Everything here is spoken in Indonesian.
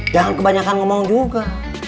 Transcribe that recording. jangan kebanyakan ngomong juga